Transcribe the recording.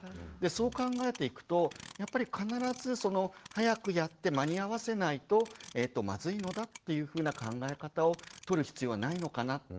そう考えていくとやっぱり必ず早くやって間に合わせないとまずいのだっていうふうな考え方をとる必要はないのかな。